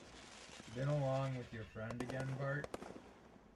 Been along with your friend again, Bart?